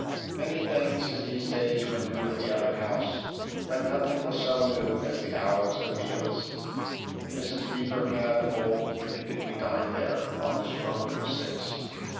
Many things in these days were new at the other house, but nothing was so new as the hours of meals. Mrs. Beever had of old repeatedly dined there on the stroke of six.